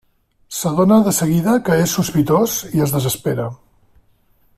S'adona de seguida que és sospitós i es desespera.